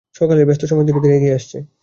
সকালের ব্যস্ত সময় ধীরেধীরে এগিয়ে আসছে।